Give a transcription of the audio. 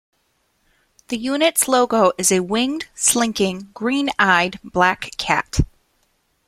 The Unit's logo is a winged, slinking, green-eyed, black cat.